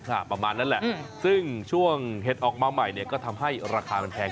อาประมาณนั้นแหละซึ่งเทปตรอไฟล์ออกมาใหม่ก็ทำให้ราคามันแพง